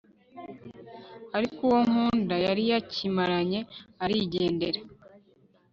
ariko uwo nkunda yari yakimiranye arigendera